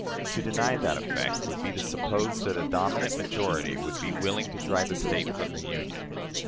To deny that effect would be to suppose that a dominant majority would be willing to drive a State from the Union.